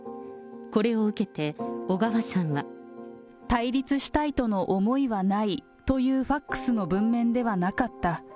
これを受けて小川さんは。対立したいとの思いはないというファックスの文面ではなかった。